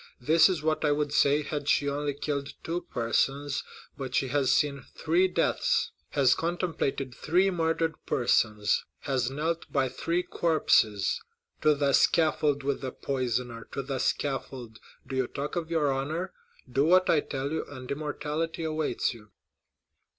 This is what I would say had she only killed two persons but she has seen three deaths,—has contemplated three murdered persons,—has knelt by three corpses! To the scaffold with the poisoner—to the scaffold! Do you talk of your honor? Do what I tell you, and immortality awaits you!"